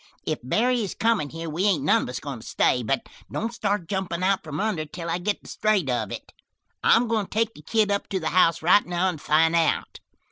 "If Barry is comin' here we ain't none of us goin' to stay; but don't start jumpin' out from under till I get the straight of it. I'm goin' to take the kid up to the house right now and find out."